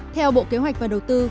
theo bộ kế hoạch và đầu tư